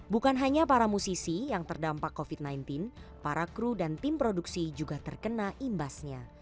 bukan hanya para musisi yang terdampak covid sembilan belas para kru dan tim produksi juga terkena imbasnya